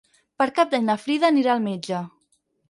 Per Cap d'Any na Frida anirà al metge.